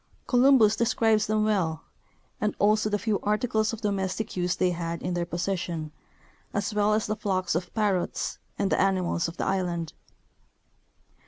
Columbus describes them well, and also the few articles of domestic use they had in their possession, as well as the flocks of parrots 9.nd the animals of the island.